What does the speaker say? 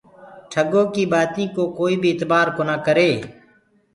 ٺڳو ڪيٚ بآتينٚ ڪو ڪوئي بي اتبآر ڪونآ ڪري۔